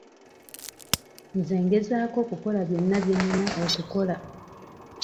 Nze ngezaako okukola byonna bye nnina okukola.